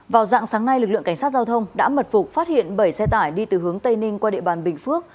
vào dạng sáng nay lực lượng cảnh sát giao thông đã mật phục phát hiện bảy xe tải đi từ hướng tây ninh qua địa bàn bình phước